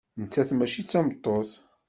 Nettat mačči d tameṭṭut.